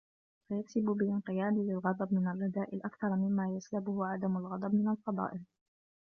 فَيَكْسِبُ بِالِانْقِيَادِ لِلْغَضَبِ مِنْ الرَّذَائِلِ أَكْثَرَ مِمَّا يَسْلُبُهُ عَدَمُ الْغَضَبِ مِنْ الْفَضَائِلِ